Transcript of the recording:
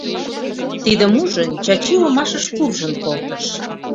Тидым ужын, Чачи омашыш куржын колтыш...